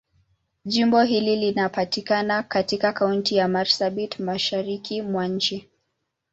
Jimbo hili linapatikana katika Kaunti ya Marsabit, Mashariki mwa nchi.